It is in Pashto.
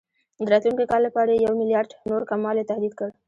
د راتلونکي کال لپاره یې یو میلیارډ نور کموالي تهدید کړ.